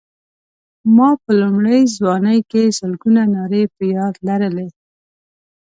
ما په لومړۍ ځوانۍ کې سلګونه نارې په یاد لرلې.